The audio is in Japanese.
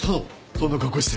そんな格好して。